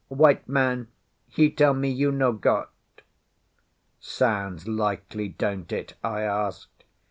"White man, he tell me you no got." "Sounds likely, don't it?" I asked.